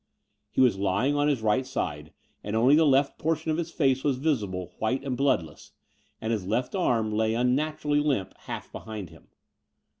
He was lying on his right side, and only the left portion of his face was visible, white and bloodless, and his left arm lay unnaturally limp, half behind him.